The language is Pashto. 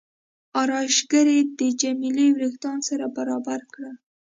ارایشګرې د جميله وریښتان سره برابر کړل.